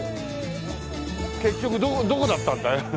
結局どこだったんだい？